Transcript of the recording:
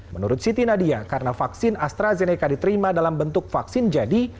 menurut siti nadia karena vaksin astrazeneca diterima dalam bentuk vaksin jadi